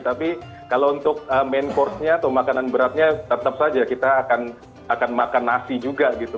tapi kalau untuk main course nya atau makanan beratnya tetap saja kita akan makan nasi juga gitu